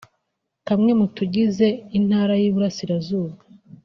kamwe mu tugize Intara y’Iburasirazuba